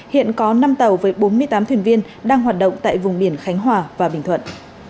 hiện có năm tàu với bốn mươi tám thuyền viên đang hoạt động tại vùng biển khánh hòa và bình thuận